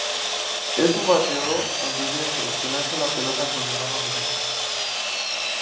Es un bateador ambidiestro que lanza la pelota con la mano derecha.